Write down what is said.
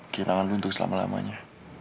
kehilangan lo untuk selama lamanya